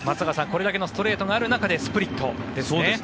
これだけのストレートがある中でスプリットですね。